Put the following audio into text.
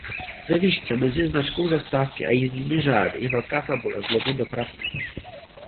Ve výšce mezi značkou zastávky a jízdními řády je velká tabule s logem dopravce.